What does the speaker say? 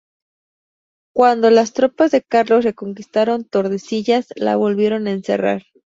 Cuando las tropas de Carlos reconquistaron Tordesillas la volvieron a encerrar.